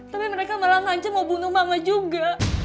tapi mereka malah ngancam mau bunuh mama juga